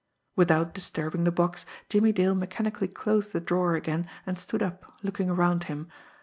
Without disturbing the box, Jimmie Dale mechanically closed the drawer again and stood up, looking around him.